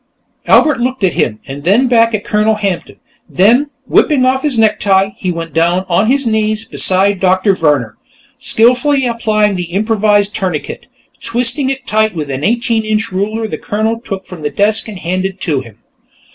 Albert looked at him, and then back at Colonel Hampton. Then, whipping off his necktie, he went down on his knees beside Doctor Vehrner, skillfully applying the improvised tourniquet, twisting it tight with an eighteen inch ruler the Colonel took from the desk and handed to him.